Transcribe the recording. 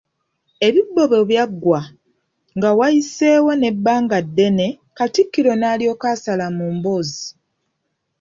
Ebibbo bwe byaggwa, nga wayiseewo n'ebbanga ddene, Katikkiro n'alyoka asala mu mboozi.